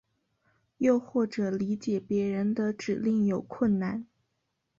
又或者理解别人的指令有困难。